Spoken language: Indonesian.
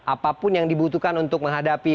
apapun yang dibutuhkan untuk menghadapi